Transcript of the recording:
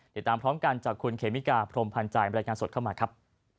ติดตามพร้อมกันจากคุณเขมิกาพรมพันธ์ใจบรรยายงานสดเข้ามาครับ